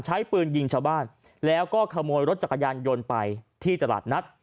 ใช้ปืนยิงชาวบ้านแล้วก็ขโมยรถจักรยานยนต์ไปที่ตลาดนัด